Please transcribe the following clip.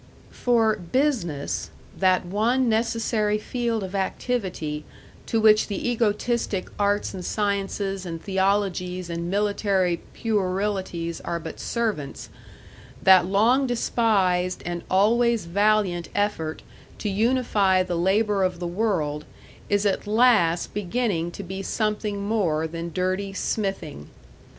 For "business," that one necessary field of activity to which the egotistic arts and sciences and theologies and military puerilities are but servants, that long despised and always valiant effort to unify the labor of the world, is at last beginning to be something more than dirty smithing.